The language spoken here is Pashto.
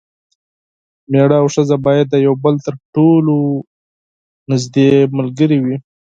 میړه او ښځه باید د یو بل تر ټولو نږدې ملګري وي.